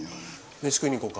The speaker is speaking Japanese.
めし食いに行こうか。